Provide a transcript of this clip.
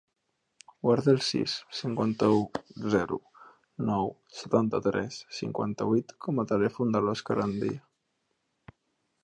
Guarda el sis, cinquanta-u, zero, nou, setanta-tres, cinquanta-vuit com a telèfon de l'Òscar Andia.